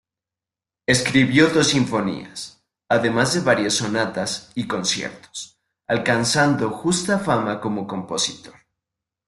Escribió dos sinfonías, además de varias sonatas y conciertos, alcanzando justa fama como compositor.